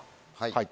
はい。